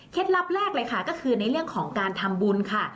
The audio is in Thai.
ลับแรกเลยค่ะก็คือในเรื่องของการทำบุญค่ะ